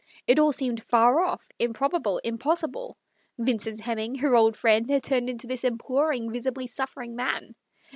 It all seemed far off, improbable, impossible. Vincent Hemming, her old friend, had turned into this imploring, visibly suffering man.